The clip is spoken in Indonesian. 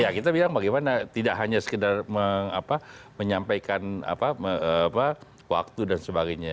ya kita bilang bagaimana tidak hanya sekedar menyampaikan waktu dan sebagainya